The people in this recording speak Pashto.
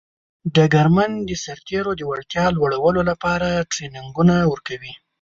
ډګرمن د سرتیرو د وړتیا لوړولو لپاره ټرینینګ ورکوي.